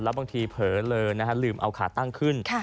แล้วบางทีเผลอเลอนะฮะลืมเอาขาตั้งขึ้น